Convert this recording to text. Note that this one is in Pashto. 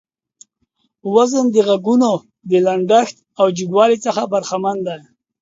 وزن د غږونو د لنډښت او جګوالي څخه برخمن دى.